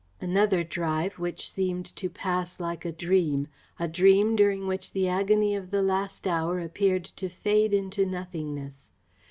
Another drive which seemed to pass like a dream; a dream during which the agony of the last hour appeared to fade into nothingness.